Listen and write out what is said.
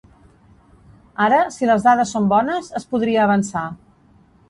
Ara, si les dades són bones, es podria avançar.